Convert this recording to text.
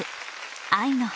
「愛の花」。